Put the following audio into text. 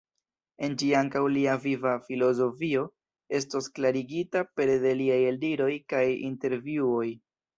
En ĝi ankaŭ lia viva filozofio estos klarigita pere de liaj eldiroj kaj intervjuoj.